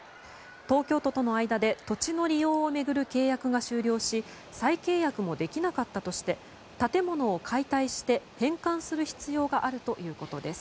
東京都との間で土地の利用を巡る契約が終了し再契約もできなかったとして建物を解体して返還する必要があるということです。